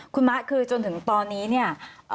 คุณมะคือจนถึงตอนนี้เนี่ย